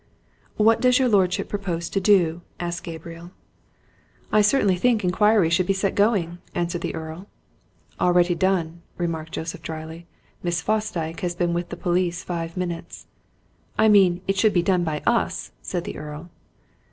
"What does your lordship propose to do?" asked Gabriel. "I certainly think inquiry should be set going," answered the Earl. "Already done," remarked Joseph drily. "Miss Fosdyke has been with the police five minutes." "I mean it should be done by us," said the Earl.